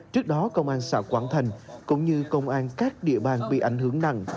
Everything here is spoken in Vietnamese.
trước đó công an xã quảng thành cũng như công an các địa bàn bị ảnh hưởng nặng